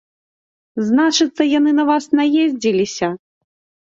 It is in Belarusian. Значыцца, яны на вас наездзіліся?